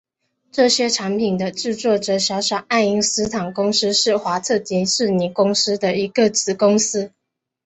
这些产品的制作者小小爱因斯坦公司是华特迪士尼公司的一个子公司。